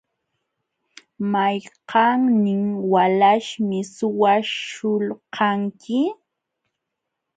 ¿Mayqannin walaśhmi suwaśhulqanki?